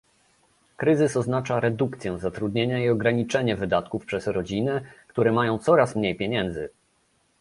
Kryzys oznacza redukcję zatrudnienia i ograniczanie wydatków przez rodziny, które mają coraz mniej pieniędzy